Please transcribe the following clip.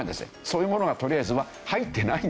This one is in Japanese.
そういうものがとりあえずは入ってないんですよ。